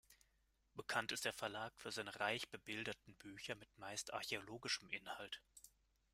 Bekannt ist der Verlag für seine reich bebilderten Bücher mit meist archäologischem Inhalt.